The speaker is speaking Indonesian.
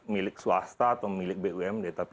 milik swasta atau milik bumd tapi